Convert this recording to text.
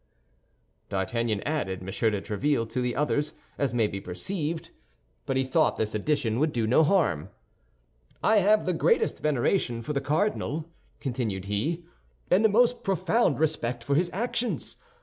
D'Artagnan added M. de Tréville to the others, as may be perceived; but he thought this addition would do no harm. "I have the greatest veneration for the cardinal," continued he, "and the most profound respect for his actions.